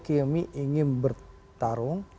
kmi ingin bertarung